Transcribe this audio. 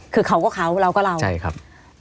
คือเขาก็เขาเราก็เราใช่ครับ